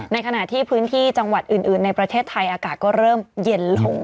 ขณะที่พื้นที่จังหวัดอื่นในประเทศไทยอากาศก็เริ่มเย็นลง